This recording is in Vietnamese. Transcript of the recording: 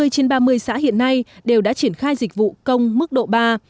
ba mươi trên ba mươi xã hiện nay đều đã triển khai dịch vụ công mức độ ba